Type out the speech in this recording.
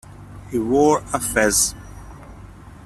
He wore a fez.